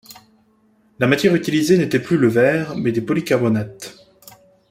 La matière utilisée n'était plus le verre mais des polycarbonates.